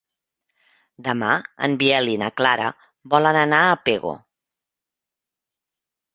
Demà en Biel i na Clara volen anar a Pego.